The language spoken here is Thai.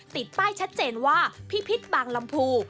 ติดป้ายชัดเจนว่าพิพิษบางลำพู